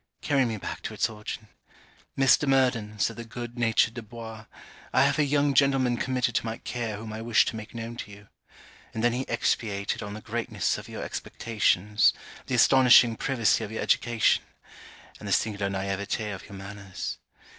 Carry me back to its origin. 'Mr. Murden,' said the good natured Du Bois, 'I have a young gentleman committed to my care whom I wish to make known to you.' And then he expatiated on the greatness of your expectations, the astonishing privacy of your education, and the singular naiveté of your manners.